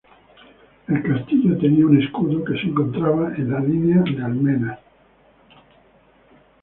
El castillo tenía un escudo que se encontraba en la línea de almenas.